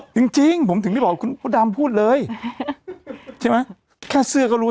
จริงจริงผมถึงได้บอกคุณพ่อดำพูดเลยใช่ไหมแค่เสื้อก็รู้